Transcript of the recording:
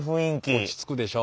落ち着くでしょ。